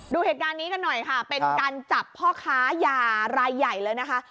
ดูเหตุการณ์นี้กันหน่อยค่ะเป็นการจับพ่อค้ายารายใหญ่เลยนะคะ